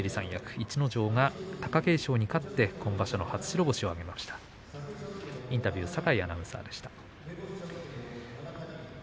逸ノ城が貴景勝に勝って今場所の初白星を挙げました。